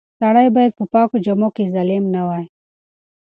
سړی باید په پاکو جامو کې ظالم نه وای.